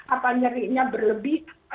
apa nyeriknya berlebih pada tempat sukan